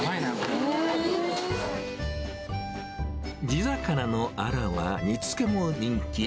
地魚のアラは煮つけも人気。